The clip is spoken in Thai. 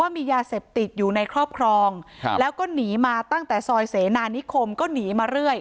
มียาเสพติดอยู่ในครอบครองแล้วก็หนีมาตั้งแต่ซอยเสนานิคมก็หนีมาเรื่อย